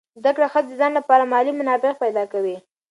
زده کړه ښځه د ځان لپاره مالي منابع پیدا کوي.